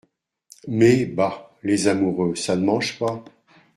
Mais, bah ! les amoureux, ça ne mange pas !